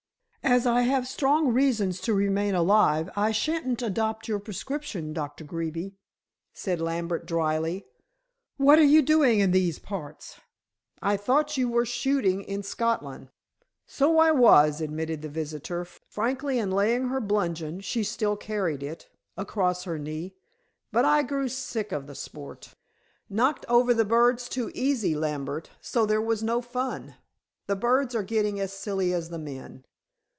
"As I have strong reasons to remain alive, I shan't adopt your prescription, Dr. Greeby," said Lambert, dryly. "What are you doing in these parts? I thought you were shooting in Scotland." "So I was," admitted the visitor, frankly and laying her bludgeon she still carried it across her knee. "But I grew sick of the sport. Knocked over the birds too easy, Lambert, so there was no fun. The birds are getting as silly as the men."